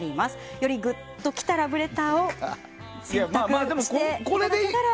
よりグッときたラブレターを選択していただけたら。